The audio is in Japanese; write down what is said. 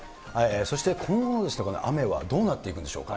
そして今後の雨はどうなっていくんでしょうか。